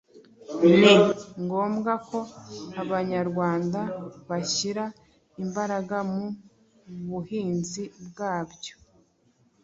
Ni ngombwa ko Abanyarwanda bashyira imbaraga mu buhinzi bwabyo,